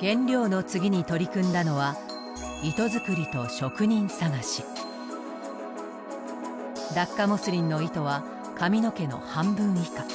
原料の次に取り組んだのはダッカモスリンの糸は髪の毛の半分以下。